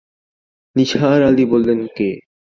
নিসার আলি বললেন, কে?